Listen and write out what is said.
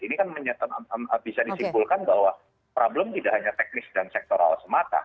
ini kan bisa disimpulkan bahwa problem tidak hanya teknis dan sektoral semata